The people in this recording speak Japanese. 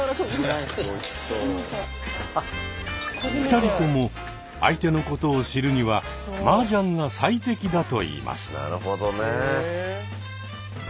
２人とも相手のことを知るにはマージャンが最適だといいます。